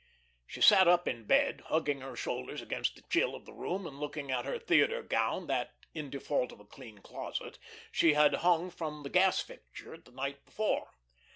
She sat up in bed, hugging her shoulders against the chill of the room and looking at her theatre gown, that in default of a clean closet she had hung from the gas fixture the night before.